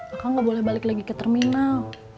akang gak boleh balik lagi ke terminal